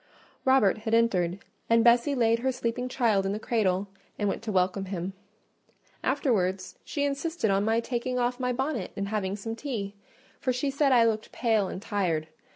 Robert here entered, and Bessie laid her sleeping child in the cradle and went to welcome him: afterwards she insisted on my taking off my bonnet and having some tea; for she said I looked pale and tired.